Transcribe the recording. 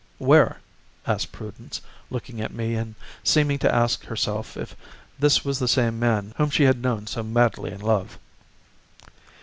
"Where?" asked Prudence, looking at me and seeming to ask herself if this was the same man whom she had known so madly in love.